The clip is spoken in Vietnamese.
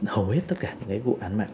hầu hết tất cả những vụ án mạng